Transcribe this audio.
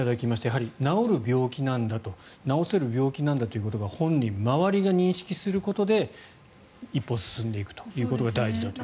やはり治る病気なんだと治せる病気なんだということを本人、周りが認識をすることで一歩進んでいくことが大事だと。